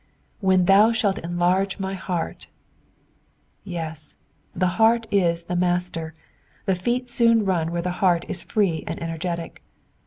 *'''When thou shall enlarge my heart,'*^ Yes, the heart is the master ; the feet soon run when the heart is free and energetic.